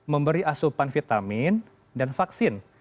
memberi asupan vitamin dan vaksin